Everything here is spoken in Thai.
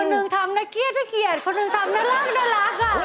คนหนึ่งทำน่าเกลี้ยเท่าเกียจคนหนึ่งทำน่ารักอ่ะ